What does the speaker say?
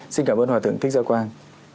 xin cảm ơn hòa thượng thích giao quang